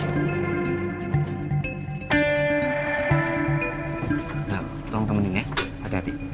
nah tolong temenin ya hati hati